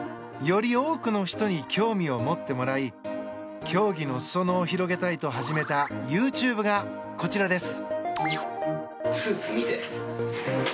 より多くの人に興味を持ってもらい競技の裾野を広げたいと始めたＹｏｕＴｕｂｅがこちらです。